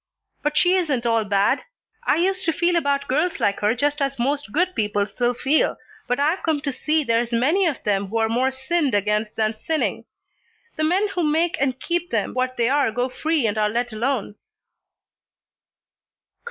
But she isn't all bad. I used to feel about girls like her just as most good people still feel, but I've come to see there's many of them who are more sinned against than sinning. The men who make and keep them what they are go free and are let alone."